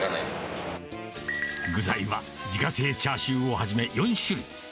具材は、自家製チャーシューをはじめ４種類。